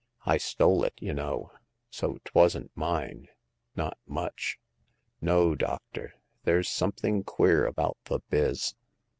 '* I stole it, y' know, so 'twasn't mine ; not much. No, doctor ; there's something queer about the biz.